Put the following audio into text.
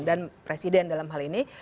dan presiden dalam hal ini